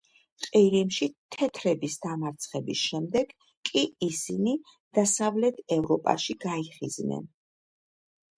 ყირიმში თეთრების დამარცხების შემდეგ კი ისინი დასავლეთ ევროპაში გაიხიზნენ.